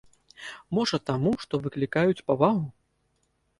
Можа, таму, што выклікаюць павагу?